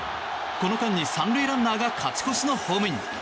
この間に３塁ランナーが勝ち越しのホームイン。